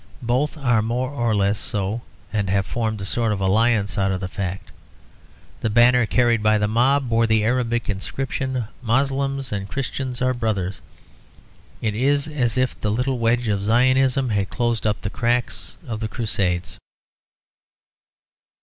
Both are more or less so; and have formed a sort of alliance out of the fact. The banner carried by the mob bore the Arabic inscription "Moslems and Christians are brothers." It is as if the little wedge of Zionism had closed up the cracks of the Crusades.